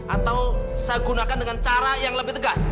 atau saya gunakan dengan cara yang lebih tegas